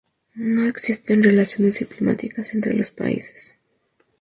No existen relaciones diplomáticas entre los dos países.